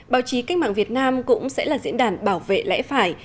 báo chí cách mạng việt nam cũng sẽ là diễn đàn bảo vệ lẽ phải